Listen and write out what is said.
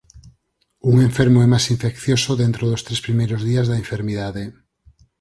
Un enfermo é máis infeccioso dentro dos tres primeiros días da enfermidade.